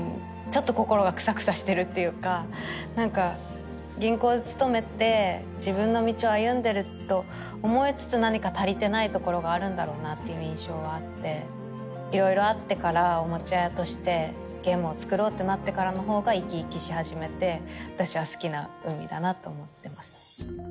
ちょっと心がクサクサしてるっていうか何か銀行に勤めて自分の道を歩んでると思いつつ何か足りてないところがあるんだろうなっていう印象はあって色々あってからおもちゃ屋としてゲームを作ろうってなってからのほうが生き生きし始めて私は好きな海だなと思ってます